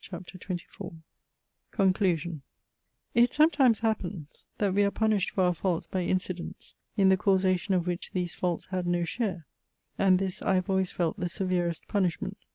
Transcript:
CHAPTER XXIV CONCLUSION It sometimes happens that we are punished for our faults by incidents, in the causation of which these faults had no share: and this I have always felt the severest punishment.